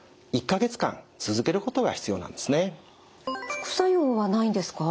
副作用はないんですか？